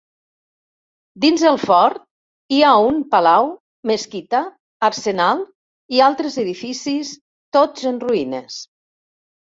Dins el fort hi ha un palau, mesquita, arsenal, i altres edificis tots en ruïnes.